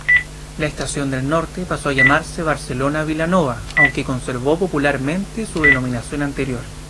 La estación del Norte pasó a llamarse Barcelona-Vilanova, aunque conservó popularmente su denominación anterior.